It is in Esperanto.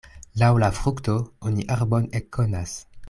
Laŭ la frukto oni arbon ekkonas.